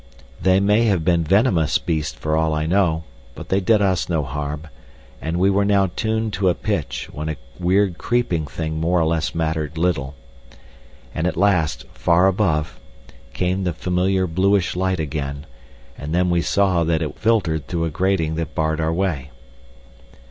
They may have been venomous beasts for all I know, but they did us no harm, and we were now tuned to a pitch when a weird creeping thing more or less mattered little. And at last, far above, came the familiar bluish light again, and then we saw that it filtered through a grating that barred our way.